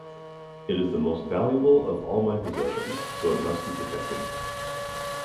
It is the most valuable of all my possessions, so it must be protected.